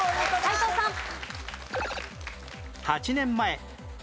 斎藤さん。